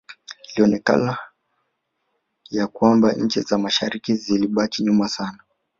Ilionekana ya kwamba nchi za mashariki zilibaki nyuma sana